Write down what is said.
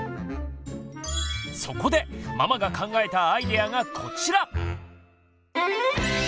そこでママが考えたアイデアがこちら！